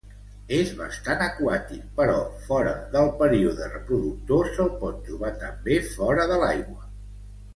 És bastant aquàtic, però fora del període reproductor se'l pot trobar també fora de l'aigua.